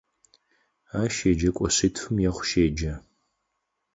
Ащ еджэкӏо шъитфым ехъу щеджэ.